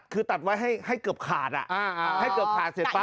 คือตัดไว้ให้เกือบขาดให้เกือบขาดเสร็จป๊